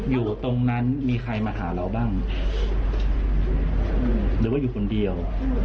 อยู่ตรงนั้นมีใครมาหาเราบ้างหรือว่าอยู่คนเดียว